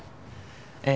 ええ。